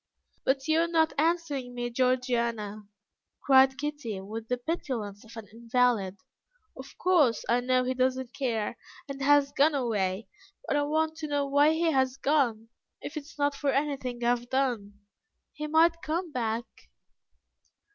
"But you are not answering me, Georgiana," cried Kitty, with the petulance of an invalid; "of course, I know he does not care, and has gone away, but I want to know why he has gone. If it is not for anything I have done, he might come back."